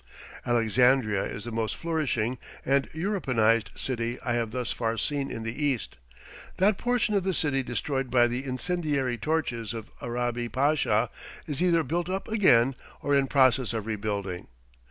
Alexandria is the most flourishing and Europeanized city I have thus far seen in the East. That portion of the city destroyed by the incendiary torches of Arabi Pasha is either built up again or in process of rebuilding.